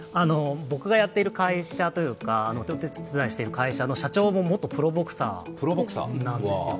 僕がやっている会社というか、お手伝いしている会社の社長も元プロボクサーなんです。